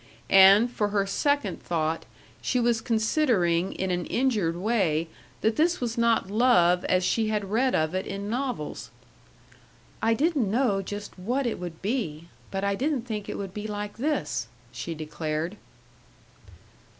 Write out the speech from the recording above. And, for her second thought, she was considering in an injured way that this was not love as she had read of it in novels. "I didn't know just what it would be but I didn't think it would be like this," she declared.